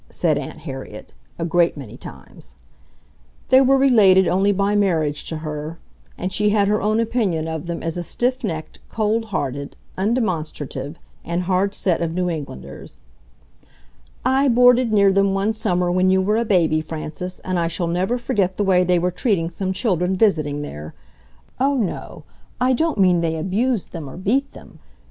said Aunt Harriet, a great many times. They were related only by marriage to her, and she had her own opinion of them as a stiffnecked, cold hearted, undemonstrative, and hard set of New Englanders. "I boarded near them one summer when you were a baby, Frances, and I shall never forget the way they were treating some children visiting there! ... Oh, no, I don't mean they abused them or beat them